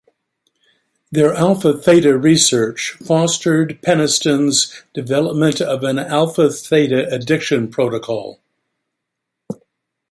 Their alpha-theta research fostered Peniston's development of an alpha-theta addiction protocol.